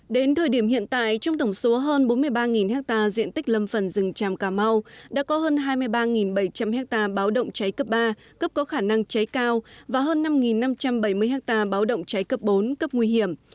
đến thời điểm hiện tại trong tổng số hơn bốn mươi ba ha diện tích lâm phần rừng tràm cà mau đã có hơn hai mươi ba bảy trăm linh ha báo động cháy cấp ba cấp có khả năng cháy cao và hơn năm năm trăm bảy mươi ha báo động cháy cấp bốn cấp nguy hiểm